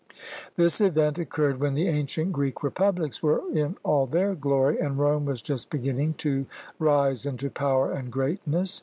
This event occurred when the ancient Greek republics were in all their glory and Rome was just beginning to rise into power and greatness.